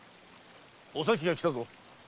お咲が来たぞ。